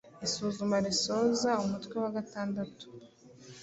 Isuzuma risoza umutwe wa gatandatu